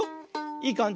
いいかんじ。